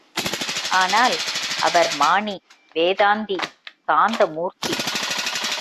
ஆனால், அவர் மானி வேதாந்தி சாந்தமூர்த்தி.